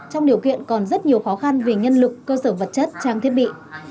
trong điều kiện còn rất nhiều khó khăn về nhân lực cơ sở vật chất trang thiết bị